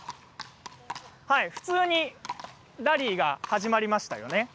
普通にラリーが始まりましたよね。